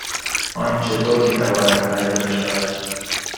آن چطور می تواند ترجمه شود؟